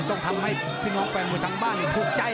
ต้องทำให้พี่น้องแฟนมวยทางบ้านถูกใจ